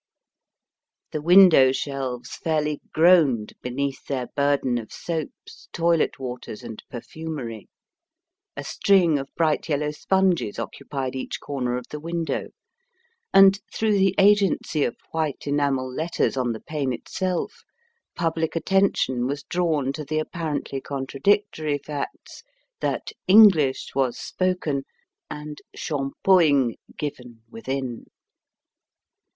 The window shelves fairly groaned beneath their burden of soaps, toilet waters, and perfumery, a string of bright yellow sponges occupied each corner of the window, and, through the agency of white enamel letters on the pane itself, public attention was drawn to the apparently contradictory facts that English was spoken and "schampoing" given within.